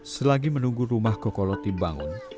selagi menunggu rumah kokoloti bangun